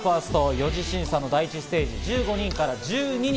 ４次審査の第１ステージ１５人から１２人。